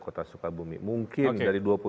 kota sukabumi mungkin dari dua puluh